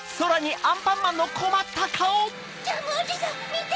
・ジャムおじさんみて！